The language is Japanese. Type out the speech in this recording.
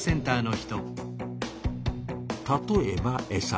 例えばエサ。